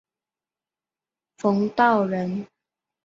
冯道人。